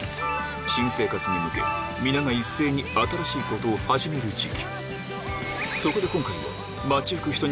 新生活に向け皆が一斉に新しいことを始める時期